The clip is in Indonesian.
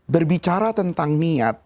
berbicara tentang niat